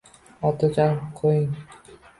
Otajon, qo’ying.